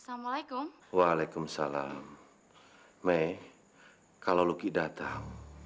saya p legitinesi lupa webnya mon